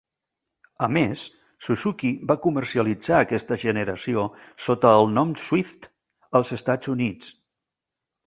A més, Suzuki va comercialitzar aquesta generació sota el nom "Swift" als Estats Units.